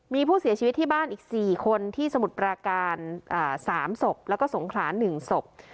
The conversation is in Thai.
มีผู้เสียชีวิตที่บ้านอีกสี่คนที่สมุดประการอ่าสามศพแล้วก็สงขลานหนึ่งศพ